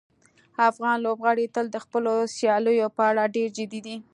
افغان لوبغاړي تل د خپلو سیالیو په اړه ډېر جدي دي.